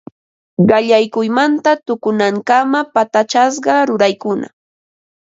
Qallaykuymanta tukunankama patachasqa ruraykuna